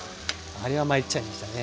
あれはまいっちゃいましたね。